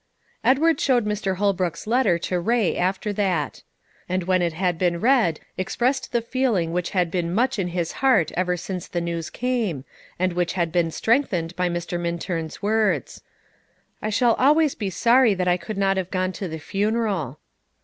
Edward showed Mr. Holbrook's letter to Ray after that; and when it had been read, expressed the feeling which had been much in his heart ever since the news came, and which had been strengthened by Mr. Monturn's words: "I shall always be sorry that I could not have gone to the funeral."